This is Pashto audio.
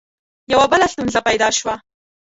یوه بله ستونزه پیدا شوه.